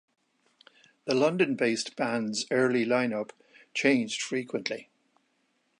The London-based band's early line-up changed frequently.